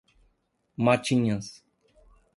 Matinhas